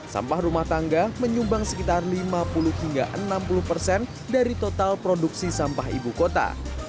sampah rumah tangga menyumbang sekitar lima puluh hingga enam puluh persen dari total produksi sampah ibu kota